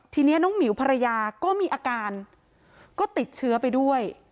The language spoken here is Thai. ทีนี้น้องหมิวภรรยาก็มีอาการก็ติดเชื้อไปด้วย